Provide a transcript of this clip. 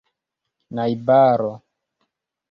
najbaro